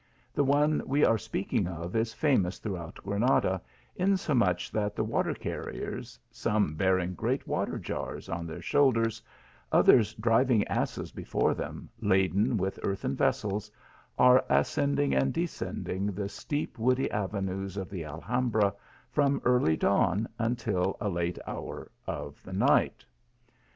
The one we are speaking of is famous throughout Granada, insomuch that the water carriers, some bearing great water jars on their shoulders, others driving jp^sses before them, laden with earthen vessels, are ascending and descending the steep woody avenues of the Alham bra from early dawn until a late hour of the night.